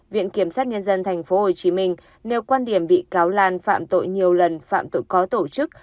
viện kiểm sát nhân dân tp hcm nêu quan điểm bị cáo lan phạm tội nhiều lần phạm tội có tổ chức